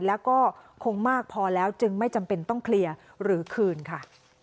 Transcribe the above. แล้วก็คงมากพอแล้วจึงไม่จำเป็นต้องเคลียร์หรือคืนค่ะ